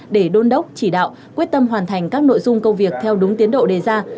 để đôn đốc chỉ đạo quyết tâm hoàn thành các nội dung công việc theo đúng tiến độ đề ra